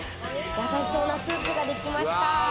優しそうなスープができました。